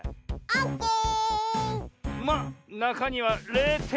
オッケー。